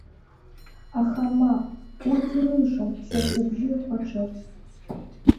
Аха мап, урҭ ирылшом са сыбжьы рхәаҽырц.